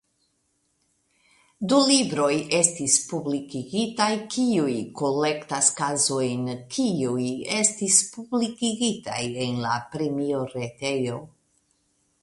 Du libroj estis publikigitaj kiuj kolektas kazojn kiuj estis publikigitaj en la premioretejo.